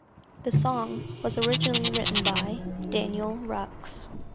The song was originally written by Daniel Rucks.